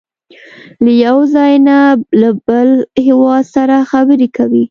له یو ځای نه له بل هېواد سره خبرې کوي.